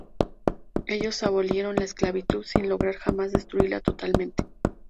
Ellos abolieron la esclavitud, sin lograr jamás destruirla totalmente.